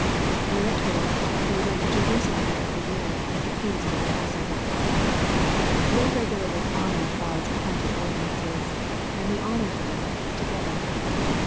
We are told that " they went to Jerusalem every year, at the feast of the passover." They regularly honored God's appointed ordinances, and they honored them together.